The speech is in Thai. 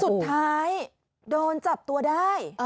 สุดท้ายโดนจับตัวได้